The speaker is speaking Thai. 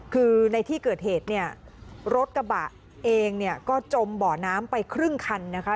คือในที่เกิดเหตุรถกระบะเองก็จมเบาะน้ำไปครึ่งคันนะคะ